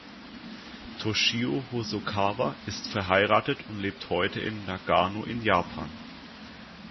Toshio Hosokawa ist verheiratet und lebt heute in Nagano in Japan.